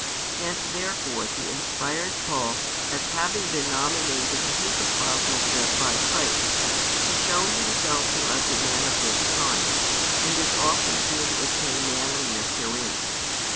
And therefore the inspired Paul, as having been nominated to his Apostleship by Christ, has shown himself to us a man of this kind, and is often seen to attain manliness herein.